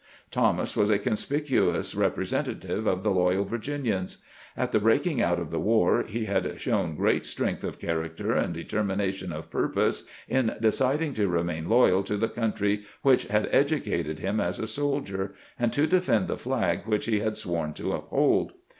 Thomas was a conspicuous representative of the loyal Virginians. At the breaking out of the war he had shown great strength of character and determination of purpose in deciding to remain loyal to the country which had edu cated him as a soldier, and to defend the flag which he had sworn to uphold.